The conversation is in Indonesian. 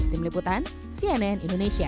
tim liputan cnn indonesia